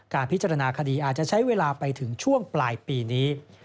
พิจารณาคดีอาจจะใช้เวลาไปถึงช่วงปลายปีนี้